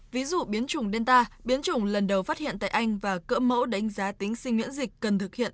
ví dụ biến chủng delta biến chủng lần đầu phát hiện tại anh và cỡ mẫu đánh giá tính sinh miễn dịch cần thực hiện